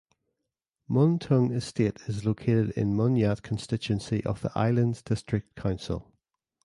Mun Tung Estate is located in Mun Yat constituency of the Islands District Council.